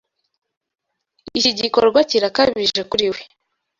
Iki gikorwa kirakabije kuri we.